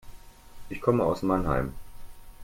Ich komme aus Mannheim